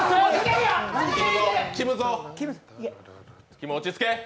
きむ、落ち着け。